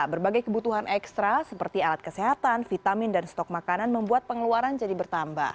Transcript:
berbagai kebutuhan ekstra seperti alat kesehatan vitamin dan stok makanan membuat pengeluaran jadi bertambah